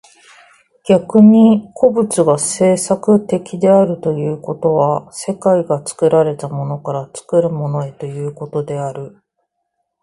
逆に個物が製作的であるということは、世界が作られたものから作るものへということである。